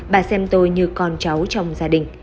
bà xem tôi như con cháu trong gia đình